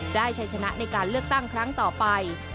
ได้ชัยชนะในการเลือกตั้งครั้งต่อไป